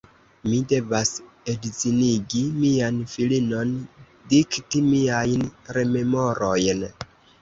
Mi devas edzinigi mian filinon, dikti miajn rememorojn.